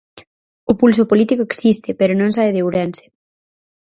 O pulso político existe, pero non sae de Ourense.